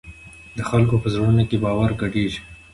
د خلکو په زړونو کې باور ګډېږي.